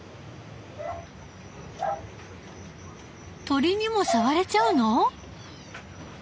鳥にもさわれちゃうの⁉